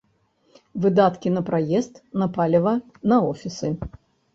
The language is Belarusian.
Выдаткі на праезд, на паліва, на офісы.